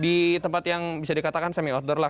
di tempat yang bisa dikatakan semi outdoor lah